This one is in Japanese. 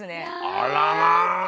あらら！